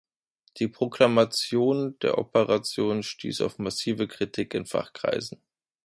Die Proklamation der Operation stieß auf massive Kritik in Fachkreisen.